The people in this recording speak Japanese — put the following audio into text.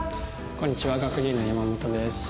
こんにちは学芸員の山本です。